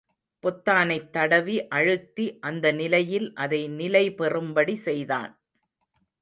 பொத்தானைத் தடவி, அழுத்தி அந்த நிலையில் அதை நிலைபெறும்படி செய்தான்.